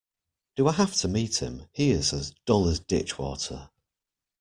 Do I have to meet him? He is as dull as ditchwater.